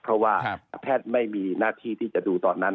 เพราะว่าแพทย์ไม่มีหน้าที่ที่จะดูตอนนั้น